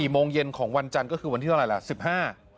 โมงเย็นของวันจันทร์ก็คือวันที่เท่าไหร่๑๕